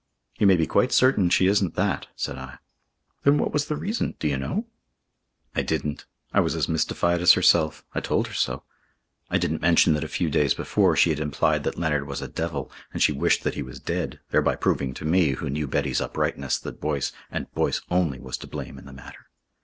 "You may be quite certain she isn't that," said I. "Then what was the reason? Do you know?" I didn't. I was as mystified as herself. I told her so. I didn't mention that a few days before she had implied that Leonard was a devil and she wished that he was dead, thereby proving to me, who knew Betty's uprightness, that Boyce and Boyce only was to blame in the matter.